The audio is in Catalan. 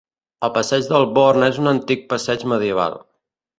El passeig del Born és un antic passeig medieval.